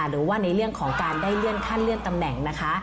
หรือว่าในเรื่องของการได้เลื่อนขั้นเลื่อนตำแหน่งนะคะ